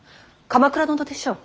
鎌倉殿でしょう。